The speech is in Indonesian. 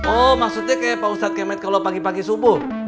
oh maksudnya kayak pak ustadz kemet kalau pagi pagi subuh